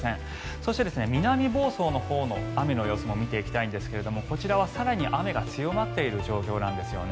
そして、南房総のほうの雨の様子も見ていきたいんですがこちらは更に雨が強まっている状況なんですよね。